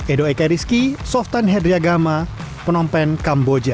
edo ekeriski softan hedriagama penompen kamboja